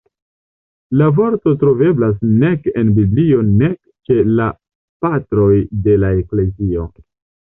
La vorto troveblas nek en Biblio nek ĉe "la Patroj de la Eklezio".